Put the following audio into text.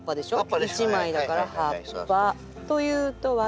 １枚だから葉っぱ。というとわき芽は。